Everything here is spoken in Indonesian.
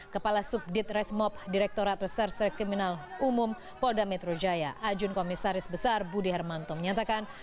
kepala subdit resmob direkturat reserse kriminal umum polda metro jaya ajun komisaris besar budi hermanto menyatakan